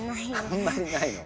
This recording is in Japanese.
あんまりないの？